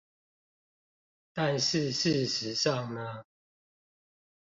但是事實上呢